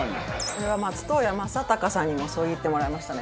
これは松任谷正隆さんにもそう言ってもらえましたね。